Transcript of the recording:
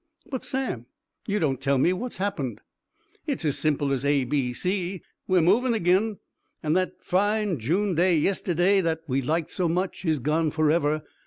"But, Sam, you don't tell me what's happened!" "It's as simple as A, B, C. We're movin' ag'in, and that fine June day yestiddy that we liked so much is gone forever.